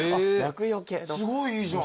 すごいいいじゃん。